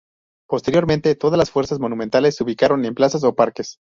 Posteriormente todas las fuentes monumentales se ubicaron en plazas o parques.